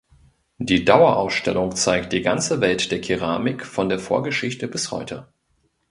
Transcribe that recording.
Die Dauerausstellung zeigt die ganze Welt der Keramik von der Vorgeschichte bis heute.